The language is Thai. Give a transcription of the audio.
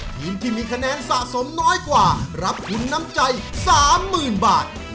ทีมที่มีคะแนนสะสมน้อยกว่ารับทุนน้ำใจ๓๐๐๐บาท